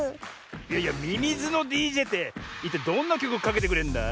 いやいやミミズのＤＪっていったいどんなきょくをかけてくれるんだ？